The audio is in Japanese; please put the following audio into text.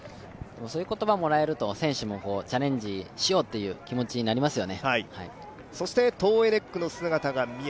そういう言葉もらえると、選手もチャレンジしようという気持ちになりますよね。